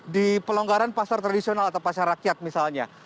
di pelonggaran pasar tradisional atau pasar rakyat misalnya